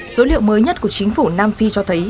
số liệu mới nhất của chính phủ nam phi cho thấy